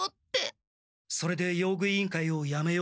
それで用具委員会をやめようとしたのか。